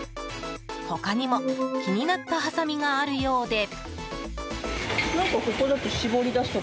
他にも気になったはさみがあるようで。